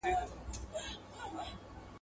زما اصلي ګناه به دا وي چي زه خر یم ..